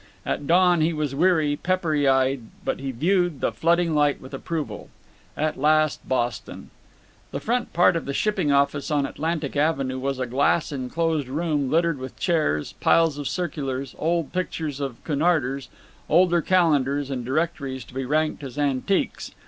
At dawn he was weary, peppery eyed, but he viewed the flooding light with approval. At last, Boston. The front part of the shipping office on Atlantic Avenue was a glass inclosed room littered with chairs, piles of circulars, old pictures of Cunarders, older calendars, and directories to be ranked as antiques.